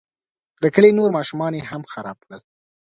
د کلي نور ماشومان یې هم خراب کړل.